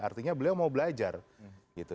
artinya beliau mau belajar gitu